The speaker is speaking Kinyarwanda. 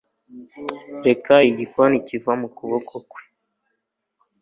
reka igikoni kiva mu kuboko kwe